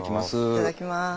いただきます。